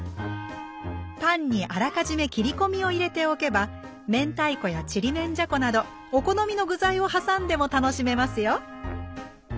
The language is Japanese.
パンにあらかじめ切り込みを入れておけばめんたいこやちりめんじゃこなどお好みの具材を挟んでも楽しめますよ